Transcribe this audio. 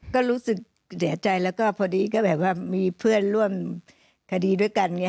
ก็รู้สึกเสียใจแล้วก็พอดีก็แบบว่ามีเพื่อนร่วมคดีด้วยกัน